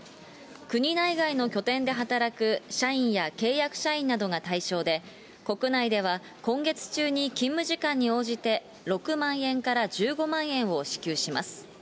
国内外の拠点で働く社員や契約社員などが対象で、国内では今月中に勤務時間に応じて６万円から１５万円を支給します。